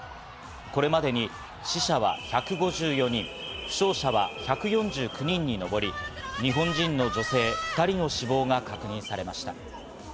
これまでに死者は１５４人、負傷者は１４９人に上り、日本人の女性２人の死亡が確認されました。